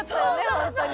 ホントに。